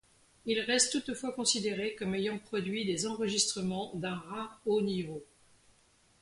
Il reste toutefois considéré comme ayant produit des enregistrements d'un rare haut niveau.